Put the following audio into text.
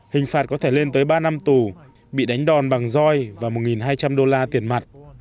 hình phạt có thể lên tới ba năm tù bị đánh đòn bằng roi và một hai trăm linh đô la tiền mặt